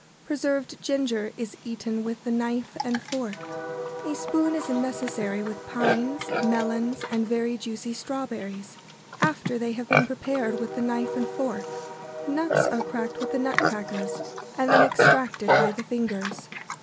Preserved ginger is eaten with the knife and fork. [Sidenote: Pines and melons.] A spoon is necessary with pines, melons, and very juicy strawberries, after they have been prepared with the knife and fork. [Sidenote: Nuts.] Nuts are cracked with the nutcrackers, and then extracted by the fingers.